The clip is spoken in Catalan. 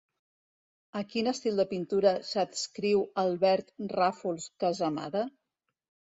A quin estil de pintura s'adscriu Albert Ràfols Casamada?